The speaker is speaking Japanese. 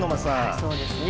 そうですね。